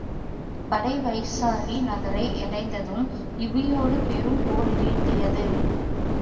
படை வைசாலி நகரை யடைந்ததும் யூகியோடு பெரும் போர் நிகழ்த்தியது.